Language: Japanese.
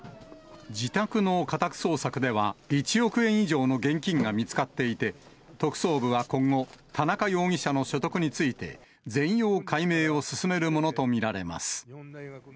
自宅の家宅捜索では、１億円以上の現金が見つかっていて、特捜部は今後、田中容疑者の所得について、全容解明を進めるものと見られます。